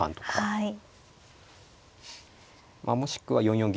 はい。